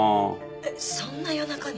えっそんな夜中に。